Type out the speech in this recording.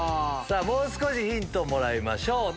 もう少しヒントもらいましょう。